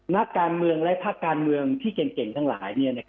นักการเมืองและภาคการเมืองที่เก่งทั้งหลาย